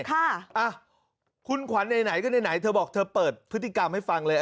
ค่ะคุณขวัญไหนก็ไหนเธอบอกเธอเปิดพฤติกรรมให้ฟังเลย